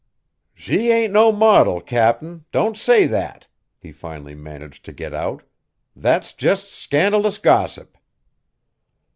"She ain't no modil, Cap'n, don't say that!" he finally managed to get out; "that's jest scandalous gossip."